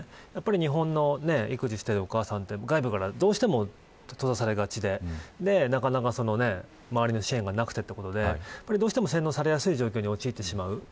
日本の育児しているお母さんは外部からどうしても閉ざされがちで周りの支援がなくてということでどうしても洗脳されやすい状況に陥ってしまう。